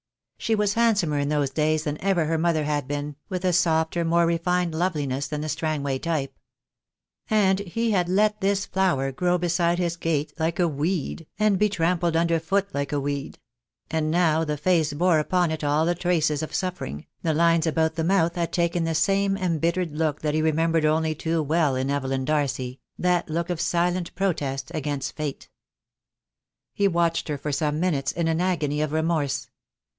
She was handsomer in those days than ever her mother had been, with a softer, more refined loveliness than the Strangway type. And he had let this flower grow beside his gate like a weed, and be trampled under foot like a weed; and now the face bore upon it all the traces of suffering, the lines about the mouth had taken the same embittered look that he remembered only too well in Evelyn Darcy, that look of silent protest against Fate. 234 THE DAY WILL COME. He watched her for some minutes in an agony of remorse.